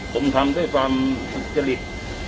ผมทำด้วยความสุจริต